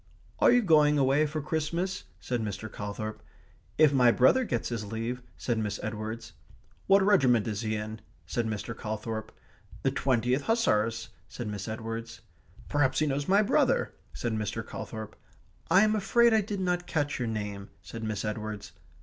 "Are you going away for Christmas?" said Mr. Calthorp. "If my brother gets his leave," said Miss Edwards. "What regiment is he in?" said Mr. Calthorp. "The Twentieth Hussars," said Miss Edwards. "Perhaps he knows my brother?" said Mr. Calthorp. "I am afraid I did not catch your name," said Miss Edwards.